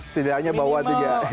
setidaknya bawa tiga